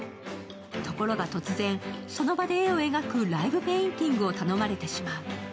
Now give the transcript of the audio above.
ところが突然、その場で絵を描くライブペインティングを頼まれてしまう。